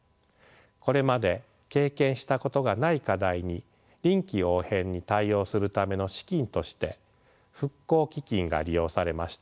これまで経験したことがない課題に臨機応変に対応するための資金として復興基金が利用されました。